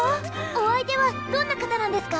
お相手はどんな方なんですか？